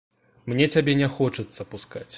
Мне цябе не хочацца пускаць.